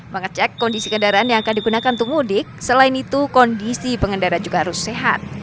mengecek kondisi kendaraan yang akan digunakan untuk mudik selain itu kondisi pengendara juga harus sehat